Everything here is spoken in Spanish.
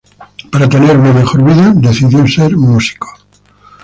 Para tener una mejor vida decidió ser músico.